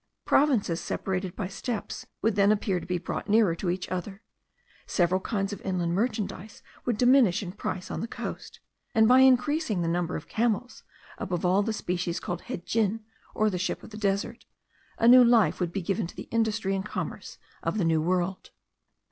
Provinces separated by steppes would then appear to be brought nearer to each other; several kinds of inland merchandize would diminish in price on the coast; and by increasing the number of camels, above all the species called hedjin, or the ship of the desert, a new life would be given to the industry and commerce of the New World.